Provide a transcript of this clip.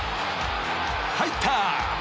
入った！